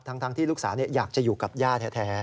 ทั้งที่ลูกสาวอยากจะอยู่กับย่าแท้